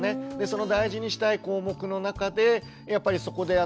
その大事にしたい項目の中でやっぱりそこで